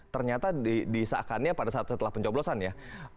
ternyata disaakannya pada saat setelah pencoblosan ya